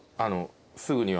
すぐには。